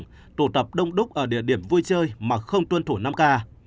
và khi tràn ra đường tụ tập đông đúc ở địa điểm vui chơi mà không tuân thủ năm ca